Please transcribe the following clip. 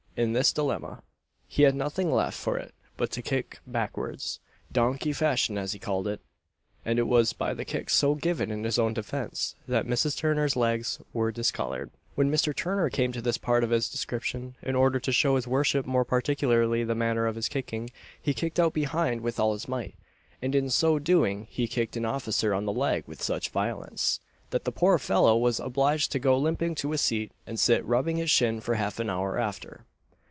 In this dilemma, he had nothing left for it but to kick backwards donkey fashion as he called it; and it was by the kicks so given in his own defence, that Mrs. Turner's legs were discoloured." When Mr. Turner came to this part of his description, in order to show his worship more particularly the manner of his kicking, he kicked out behind with all his might, and in so doing he kicked an officer on the leg with such violence, that the poor fellow was obliged to go limping to a seat, and sit rubbing his shin for half an hour after.